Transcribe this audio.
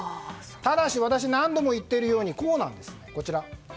ただし、私何度も言っているようにこうなんです。